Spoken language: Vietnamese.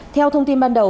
theo thông tin ban đầu